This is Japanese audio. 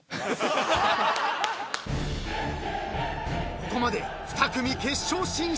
［ここまで２組決勝進出］